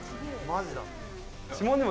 マジだ。